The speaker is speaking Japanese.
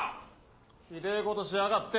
ひでぇことしやがって。